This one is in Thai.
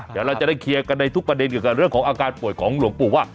เดี๋ยวเราจะได้เคลียร์กันในทุกประเด็นเกี่ยวกับเรื่องของอาการป่วยของหลวงปู่ว่า